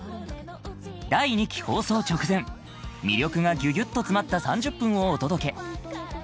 第２期放送直前魅力がぎゅぎゅっと詰まった３０分をお届け